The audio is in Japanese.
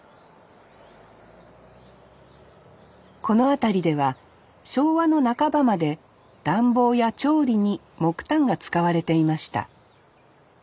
この辺りでは昭和の半ばまで暖房や調理に木炭が使われていました